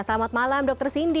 selamat malam dr sindi